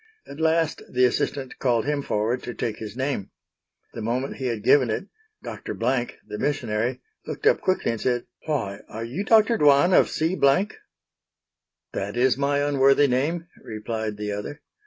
At last the assistant called him forward to take his name. The moment he had given it, Dr. Blank, the missionary, looked up quickly and said, "Why, are you Dr. Dwan of C——?" "That is my unworthy name," replied the other.